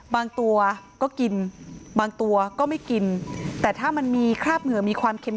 บางตัวก็กินบางตัวก็ไม่กินแต่ถ้ามันมีคราบเหงื่อมีความเค็ม